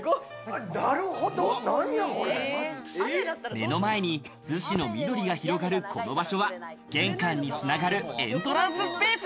目の前に逗子の緑が広がる、この場所は、玄関に繋がるエントランススペース。